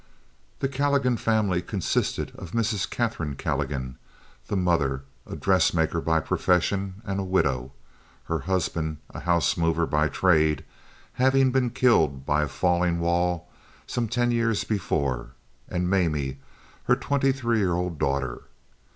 The Calligan family consisted of Mrs. Katharine Calligan, the mother, a dressmaker by profession and a widow—her husband, a house mover by trade, having been killed by a falling wall some ten years before—and Mamie, her twenty three year old daughter.